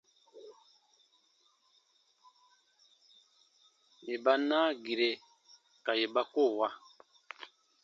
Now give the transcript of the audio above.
Yè ba naa gire ka yè ba koo wa.